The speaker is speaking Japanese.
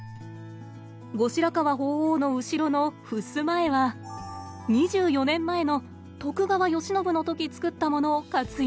後白河法皇の後ろのふすま絵は２４年前の「徳川慶喜」の時作ったものを活用！